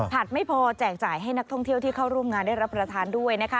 ไม่พอแจกจ่ายให้นักท่องเที่ยวที่เข้าร่วมงานได้รับประทานด้วยนะคะ